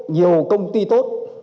nhiều công ty tốt